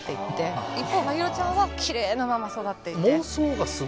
一方マヒロちゃんはきれいなまま育っていって。